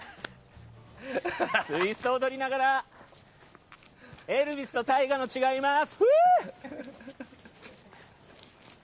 ツイスト踊りながらエルヴィスとＴＡＩＧＡの違いを言います。